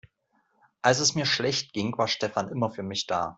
Als es mir schlecht ging, war Stefan immer für mich da.